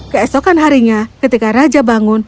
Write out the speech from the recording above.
keesokan harinya ketika raja bangun